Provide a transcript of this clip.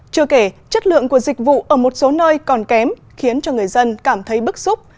chưa kể chất lượng của dịch vụ ở một số nơi còn kém khiến cho người dân cảm thấy bức xúc